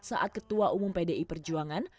saat ketua umum pdi perjuangan